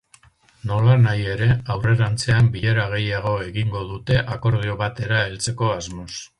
Nolanahi ere, aurrerantzean bilera gehiago egingo dute, akordio batera heltzeko asmoz.